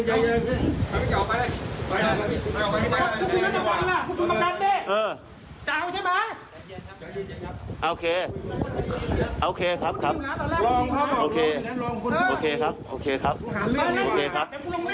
โอเคครับโอเคครับ